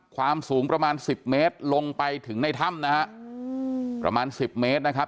ความสูงประมาณสิบเมตรลงไปถึงในถ้ำนะฮะประมาณสิบเมตรนะครับ